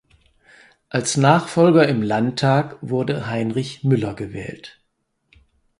Als Nachfolger im Landtag wurde Heinrich Müller gewählt.